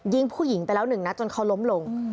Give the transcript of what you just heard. ผู้หญิงไปแล้วหนึ่งนัดจนเขาล้มลง